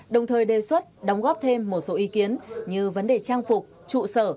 đồng thời đề xuất đóng góp thêm một số ý kiến như vấn đề trang phục trụ sở